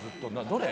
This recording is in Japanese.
どれ？